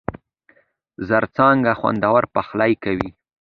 زرڅانگه! خوندور پخلی کوي.